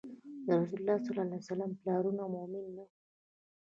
د رسول الله ﷺ پلرونه مؤمن نه وو